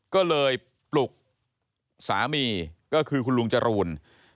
ก็เลยปลุกสามีก็คือคุณลุงจรูน